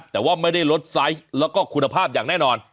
แต่ว่าไม่ได้ลดไซส์แล้วก็คุณภาพอย่างแน่นอน